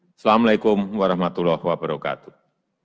wassalamu'alaikum warahmatullahi wabarakatuh